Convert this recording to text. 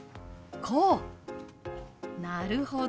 なるほど。